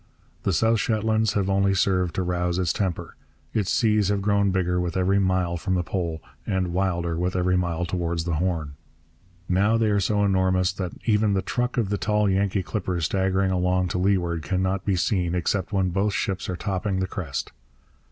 The South Shetlands have only served to rouse its temper. Its seas have grown bigger with every mile from the Pole, and wilder with every mile towards the Horn. Now they are so enormous that even the truck of the tall Yankee clipper staggering along to leeward cannot be seen except when both ships are topping the crest.